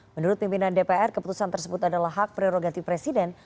menurut pimpinan dpr keputusan tersebut adalah hak prerogatif presiden